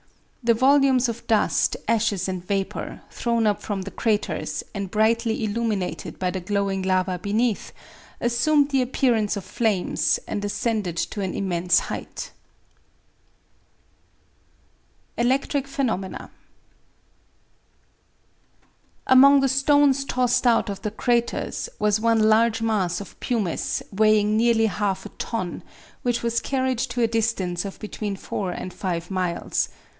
The volumes of dust, ashes and vapor, thrown up from the craters, and brightly illuminated by the glowing lava beneath, assumed the appearance of flames, and ascended to an immense height. ELECTRIC PHENOMENA Among the stones tossed out of the craters was one large mass of pumice weighing nearly half a ton, which was carried to a distance of between four and five miles.